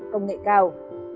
công nghệ khác